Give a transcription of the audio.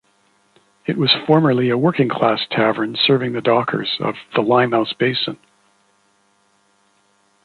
It was formerly a working-class tavern serving the dockers of the Limehouse Basin.